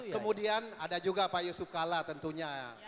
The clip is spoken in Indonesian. kemudian ada juga pak yusuf kalla tentunya